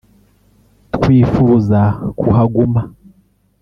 twifuza kuhaguma